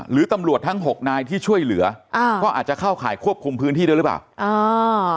หรือตำรวจทั้งหกนายที่ช่วยเหลืออ่าก็อาจจะเข้าข่ายควบคุมพื้นที่ด้วยหรือเปล่าอ่า